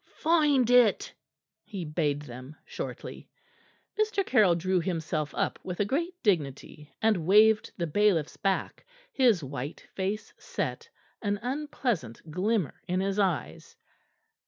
"Find it," he bade them shortly. Mr. Caryll drew himself up with a great dignity, and waved the bailiffs back, his white face set, an unpleasant glimmer in his eyes.